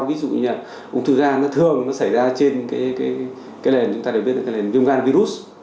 ví dụ như là ung thư gan nó thường nó xảy ra trên cái lền chúng ta đều biết là cái lền viêm gan virus